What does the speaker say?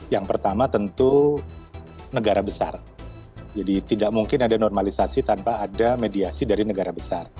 yang pertama tentu negara besar jadi tidak mungkin ada normalisasi tanpa ada mediasi dari negara besar